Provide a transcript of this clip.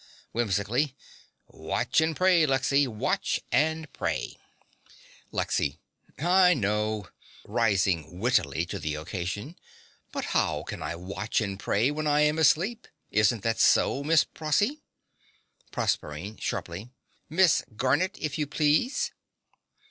(Whimsically.) Watch and pray, Lexy: watch and pray. LEXY. I know. (Rising wittily to the occasion.) But how can I watch and pray when I am asleep? Isn't that so, Miss Prossy? PROSERPINE (sharply). Miss Garnett, if you please.